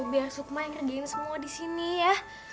biar sukma yang ngerjain semua disini ya